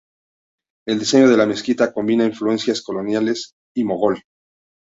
El diseño de la mezquita combina influencias coloniales y mogol.